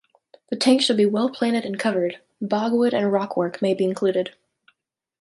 The tank should be well planted and covered; bogwood and rockwork may be included.